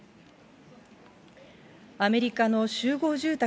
アメリカの集合住宅